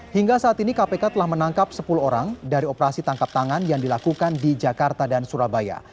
hingga saat ini kpk telah menangkap sepuluh orang dari operasi tangkap tangan yang dilakukan di jakarta dan surabaya